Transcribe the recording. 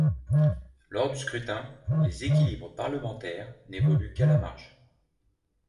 Lors du scrutin, les équilibres parlementaires n'évoluent qu'à la marge.